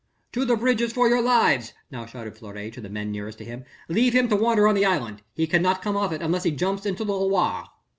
"To the bridges for your lives!" now shouted Fleury to the men nearest to him. "Leave him to wander on the island. He cannot come off it, unless he jumps into the Loire."